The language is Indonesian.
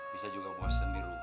bisa juga bosen di rumah